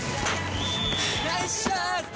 ナイスシュート！